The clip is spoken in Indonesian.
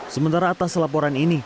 sementara atas laporan ini